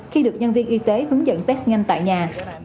khi được nhân viên y tế hướng dẫn test nhanh tại nhà